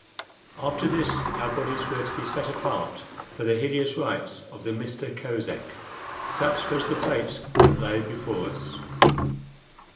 After this our bodies were to be set apart for the hideous rites of the Mista Kosek. Such was the fate that lay before us.